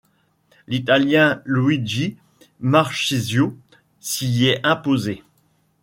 L'Italien Luigi Marchisio s'y est imposé.